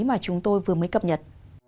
mà chúng tôi vừa mới cập nhật